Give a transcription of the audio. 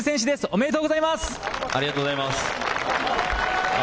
ありがとうございます。